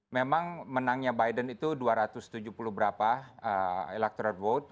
memang menangnya biden itu dua ratus tujuh puluh berapa electoral vote